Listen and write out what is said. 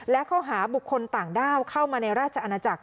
และข้อหาบุคคลต่างด้าวเข้ามาในราชอาณาจักร